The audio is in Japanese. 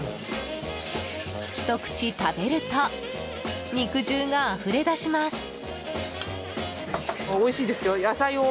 ひと口食べると肉汁があふれ出します。